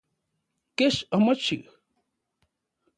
¿Kech omochi?